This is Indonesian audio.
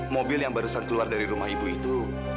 mobil yang barusan keluar dari rumah ibu itu